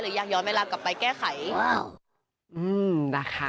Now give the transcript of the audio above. หรือยากย้อนเวลากลับไปแก้ไข